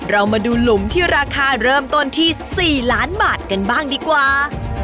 เรามาดูหลุมที่ราคาเริ่มต้นที่๔ล้านบาทกันบ้างดีกว่า